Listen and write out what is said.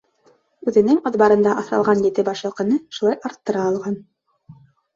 Үҙенең аҙбарында аҫралған ете баш йылҡыны шулай арттыра алған.